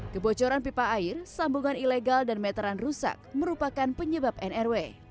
kebocoran pipa air sambungan ilegal dan meteran rusak merupakan penyebab nrw